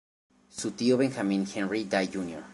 Su tío Benjamin Henry Day Jr.